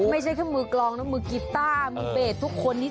ไม่ใช่แค่มือกลองนะมือกีต้ามือเบสทุกคนนี้